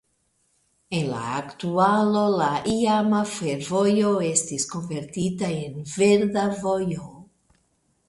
En la aktualo la iama fervojo estis konvertita en Verda vojo.